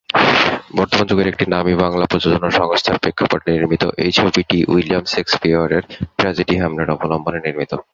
বর্তমান যুগের একটি নামী বাংলা প্রযোজনা সংস্থার প্রেক্ষাপটে নির্মিত এই ছবিটি উইলিয়াম শেকসপিয়রের ট্র্যাজেডি "হ্যামলেট" অবলম্বনে নির্মিত।